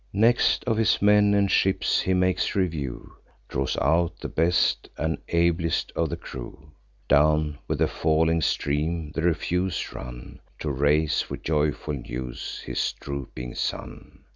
Next, of his men and ships he makes review; Draws out the best and ablest of the crew. Down with the falling stream the refuse run, To raise with joyful news his drooping son.